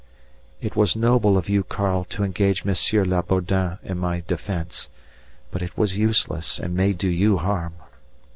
It was noble of you, Karl, to engage Monsieur Labordin in my defence, but it was useless and may do you harm.